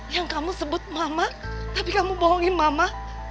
yang kamu sebut mama tapi kamu bohongin mama